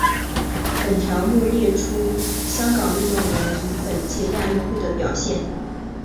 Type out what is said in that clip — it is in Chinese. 本条目列出香港运动员于本届亚运会的表现。